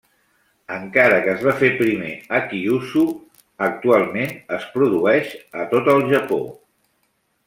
Encara que es va fer primer a Kyūshū, actualment es produeix a tot el Japó.